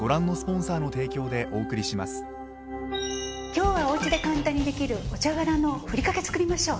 今日はおうちで簡単にできるお茶殻のふりかけ作りましょう。